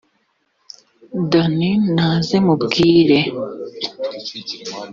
dani naze mubwire.